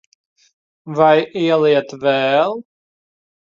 Vai ieliet vēl?